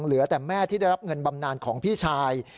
เหลือแต่แม่ที่ได้รับเงินบำนานของพี่ชาย